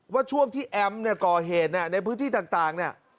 ช่วงที่แอมเนี่ยก่อเหตุในพื้นที่ต่างเนี่ย